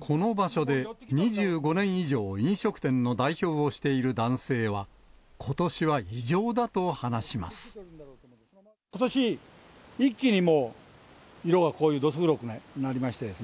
この場所で２５年以上、飲食店の代表をしている男性は、ことし、一気にもう、色がこういうどす黒くなりましてね。